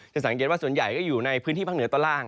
สังเกตว่าส่วนใหญ่ก็อยู่ในพื้นที่ภาคเหนือตอนล่าง